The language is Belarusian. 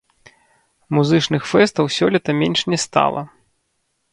Музычных фэстаў сёлета менш не стала.